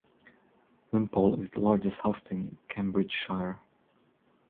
Wimpole is the largest house in Cambridgeshire.